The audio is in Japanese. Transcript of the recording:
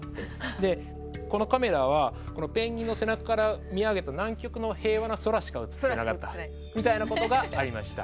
でこのカメラはこのペンギンの背中から見上げた南極の平和な空しか映ってなかったみたいなことがありました。